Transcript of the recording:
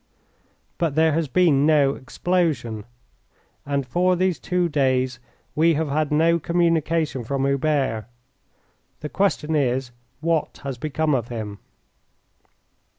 But there has been no explosion, and for these two days we have had no communication from Hubert. The question is, what has become of him?"